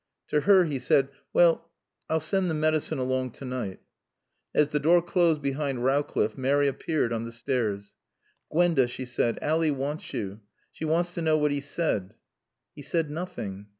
To her he said: "Well, I'll send the medicine along to night." As the door closed behind Rowcliffe, Mary appeared on the stairs. "Gwenda," she said, "Ally wants you. She wants to know what he said." "He said nothing."